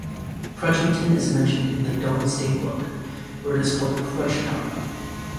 Crudgington is mentioned in the Domesday Book, where it is called Crugetone.